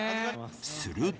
すると。